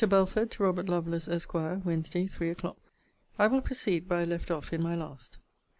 BELFORD, TO ROBERT LOVELACE, ESQ. WEDNESDAY, THREE O'CLOCK. I will proceed where I left off in my last.